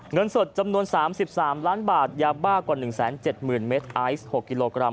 เงินสดจำนวน๓๓ล้านบาทยาบ้ากว่า๑๗๐๐เมตรไอซ์๖กิโลกรัม